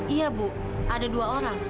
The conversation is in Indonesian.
iya bu ada dua orang